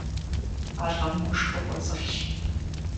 А лӀым гушхуэ кӀуэцӀылъщ.